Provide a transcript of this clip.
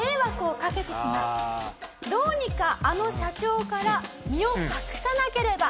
どうにかあの社長から身を隠さなければ。